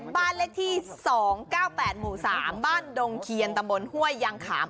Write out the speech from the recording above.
บ้านเลขที่๒๙๘หมู่๓บ้านดงเคียนตำบลห้วยยางขาม